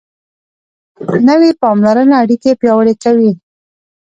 نوې پاملرنه اړیکې پیاوړې کوي